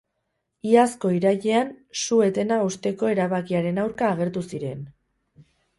Iazko irailean, su-etena hausteko erabakiaren aurka agertu ziren.